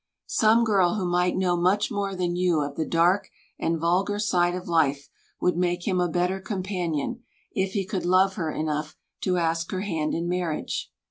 Some girl who might know much more than you of the dark and vulgar side of life, would make him a better companion if he could love her enough to ask her hand in marriage.